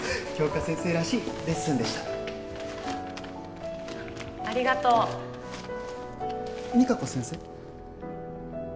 杏花先生らしいレッスンでしたありがとうＭＩＫＡＫＯ先生？